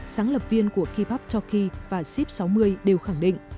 sáng lập viên của kibak toki và sip sáu mươi đều khẳng định